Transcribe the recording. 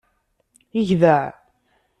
Gdeɛ.